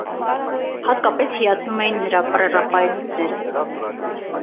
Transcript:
Հատկապես հիացնում էին նրա պրեռաֆայելիտները։